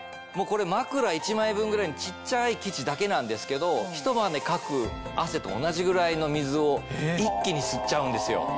枕１枚分ぐらいの小っちゃい生地だけなんですけどひと晩でかく汗と同じぐらいの水を一気に吸っちゃうんですよ。